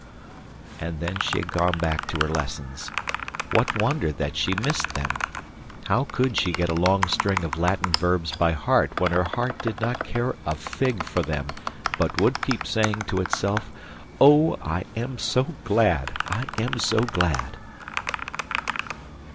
And then she had gone back to her lessons. What wonder that she missed them! How could she get a long string of Latin verbs by heart when her heart did not care a fig for them but would keep saying to itself, "Oh, I am so glad! I am so glad!"